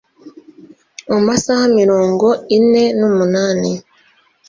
amasaha mirongo ine n umunani